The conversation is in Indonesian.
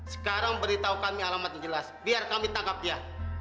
sekarang beritahu kami alamat yang jelas biar kami tangkap dia